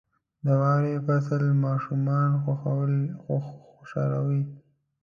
• د واورې فصل ماشومان خوشحالوي.